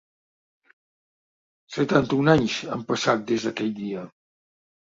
Setanta-un anys han passat des d’aquell dia.